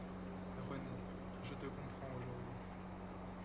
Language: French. Renée, je te comprends aujourd’hui.